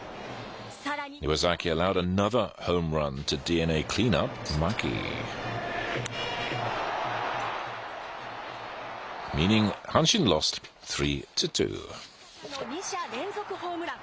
まさかの２者連続ホームラン。